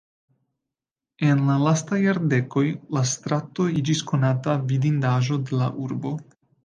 En la lastaj jardekoj, la strato iĝis konata vidindaĵo de la urbo.